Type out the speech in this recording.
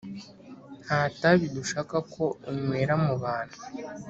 Nta tabi dushaka ko unywera mu bantu.